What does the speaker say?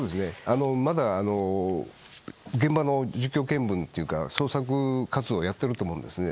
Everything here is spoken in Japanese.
まだ、現場の実況見分というか捜索活動をやっていると思うんですね。